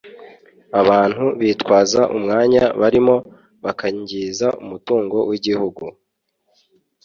Abantu bitwaza umwanya barimo bakangiza umutungo w’igihugu